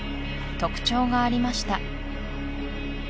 特徴がありました